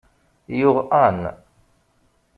Yuɣ Ann.